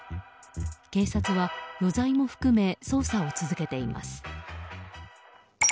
警察は余罪も含め捜査を続けています。